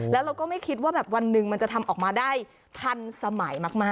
แล้วเราก็ไม่คิดว่าแบบวันหนึ่งมันจะทำออกมาได้ทันสมัยมาก